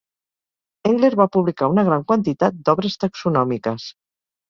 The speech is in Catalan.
Engler va publicar una gran quantitat d'obres taxonòmiques.